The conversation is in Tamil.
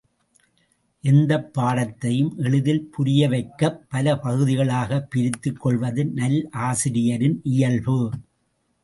எந்தப் பாடத்தையும் எளிதில் புரியவைக்கப் பல பகுதிகளாகப் பிரித்துக் கொள்வது நல்லாசிரியரின் இயல்பு.